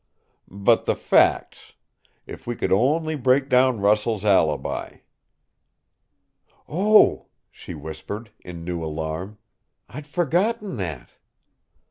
"But the facts if we could only break down Russell's alibi!" "Oh!" she whispered, in new alarm. "I'd forgotten that!"